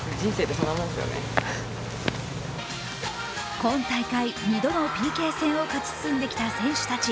今大会、２度のＰＫ戦を勝ち進んできた選手たち。